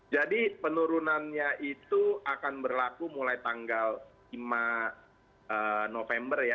jadi penurunannya itu akan berlaku mulai tanggal lima november ya